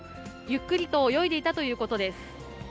ゆっくりと泳いでいたということです。